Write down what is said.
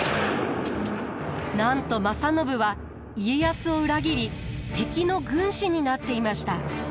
なんと正信は家康を裏切り敵の軍師になっていました。